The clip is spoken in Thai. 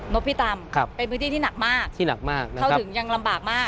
นกพิตำเป็นพื้นที่ที่หนักมากนะครับเท่าถึงยังลำบากมากใช่ไหมครับ